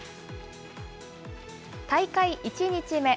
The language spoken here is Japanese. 大会１日目。